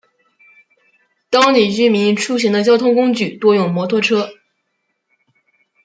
当地居民出行的交通工具多用摩托车。